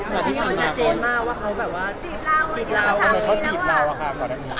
แต่พี่เขาชะเจนมากว่าเขาแบบว่าจีบเรา